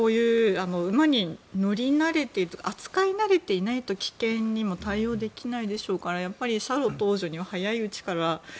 馬に乗り慣れて扱い慣れていないと危険にも対応できないでしょうからやっぱりシャーロット王女には早いうちから。